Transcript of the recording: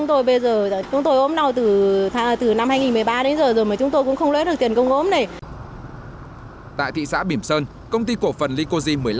tại thị xã bìm sơn công ty cổ phần likosi